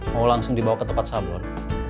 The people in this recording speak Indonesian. mau langsung dibawa ke tempat sabun